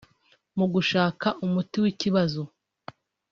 Mu gushaka umuti w’ikibazo